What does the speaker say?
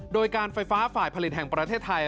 โดยการไฟฟ้าฝ่ายผลิตแห่งประเทศไทย